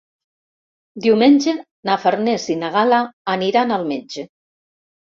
Diumenge na Farners i na Gal·la aniran al metge.